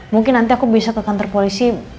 mungkin nanti aku bisa ke kantor polisi